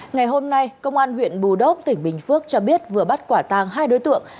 ngày hôm nay công an huyện bù đốc tỉnh bình phước cho biết vừa bắt quả tàng hai đối tượng